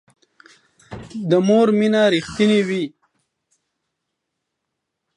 د مور مینه رښتینې وي